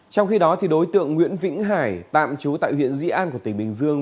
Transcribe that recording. trong khi đó đối tượng nguyễn vĩnh hải tạm trú tại huyện di an của tỉnh bình dương